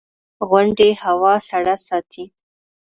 • غونډۍ هوا سړه ساتي.